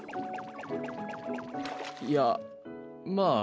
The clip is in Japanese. いやまあ